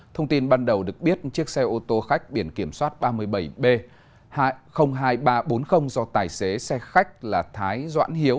thông tin ban đầu được biết chiếc xe ô tô khách biển kiểm soát ba mươi bảy b hai nghìn ba trăm bốn mươi do tài xế xe khách thái doãn hiếu